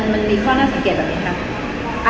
มันมีข้อน่าสังเกตแบบนี้ค่ะ